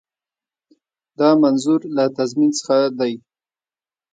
دا منظور له تضمین څخه دی.